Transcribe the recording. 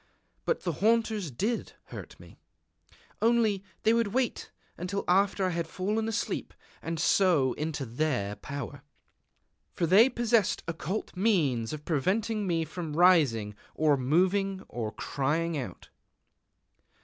But the haunters did hurt me. Only they would wait until after I had fallen asleep, and so into their power, for they possessed occult means of preventing me from rising or moving or crying out.